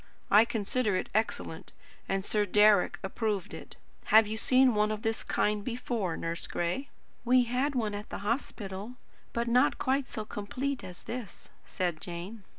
I consider it excellent, and Sir Deryck approved it. Have you seen one of this kind before, Nurse Gray?" "We had one at the hospital, but not quite so complete as this," said Jane.